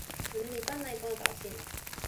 ona li pana e pona tawa sina.